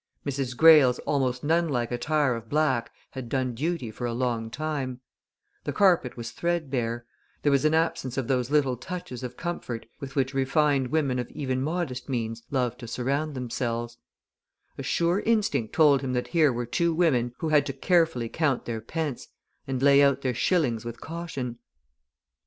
Mrs. Greyle's almost nun like attire of black had done duty for a long time; the carpet was threadbare; there was an absence of those little touches of comfort with which refined women of even modest means love to surround themselves; a sure instinct told him that here were two women who had to carefully count their pence, and lay out their shillings with caution.